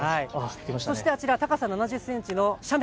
そして、高さ７０ｃｍの斜面。